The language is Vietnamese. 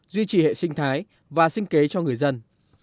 duy trì hệ sinh thái và sinh kế cho người dân